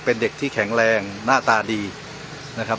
เป็นเด็กที่แข็งแรงหน้าตาดีนะครับ